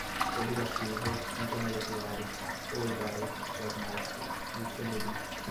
coligativas, intermoleculares, coloidais, plasmáticos, micromerítica